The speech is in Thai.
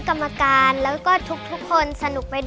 ขอบคุณค่ะ